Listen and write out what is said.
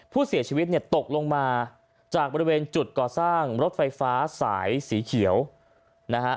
ผู้เสียชีวิตเนี่ยตกลงมาจากบริเวณจุดก่อสร้างรถไฟฟ้าสายสีเขียวนะฮะ